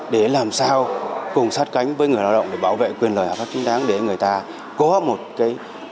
để làm sao cùng sát cánh với người lao động để bảo vệ quyền lợi hợp pháp chính đáng để người ta